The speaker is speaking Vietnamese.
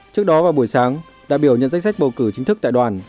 trước đó vào buổi sáng đại biểu nhận danh sách bầu cử chính thức tại đoàn